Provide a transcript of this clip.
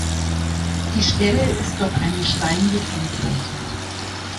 Die Stelle ist durch einen Stein gekennzeichnet.